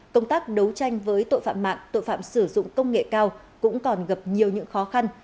công tác đấu tranh với tội phạm mạng tội phạm sử dụng công nghệ cao cũng còn gặp nhiều những khó khăn